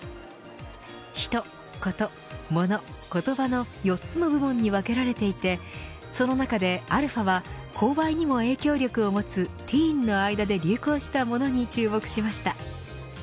ヒト・コト・モノ・コトバの４つの部門に分けられていてその中で、αは購買にも影響力を持つティーンの間で流行したモノに注目しました。